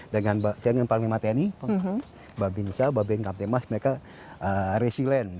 dengan pak mimateni pak binca pak bengkam teman teman mereka resilient